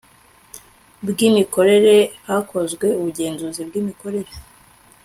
bw imikorere Hakozwe ubugenzuzi bw Imikorere